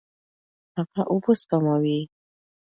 هغه اوبه سپموي.